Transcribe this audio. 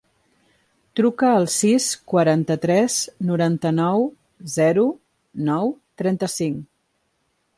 Truca al sis, quaranta-tres, noranta-nou, zero, nou, trenta-cinc.